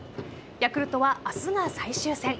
ヤクルトは明日が最終戦。